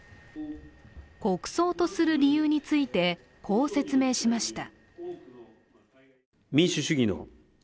国葬とする理由についてこう説明しました。